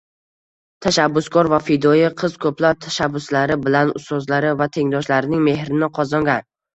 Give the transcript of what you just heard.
Tashabbuskor va fidoyi qiz koʻplab tashabbuslari bilan ustozlari va tengdoshlarining mehrini qozongan.